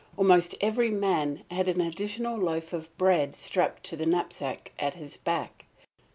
Almost every man had an additional loaf of bread strapped to the knapsack at his back.